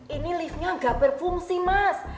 ini liftnya nggak berfungsi mas